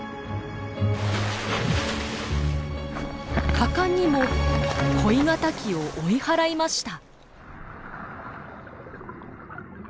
果敢にも恋敵を追い払いました。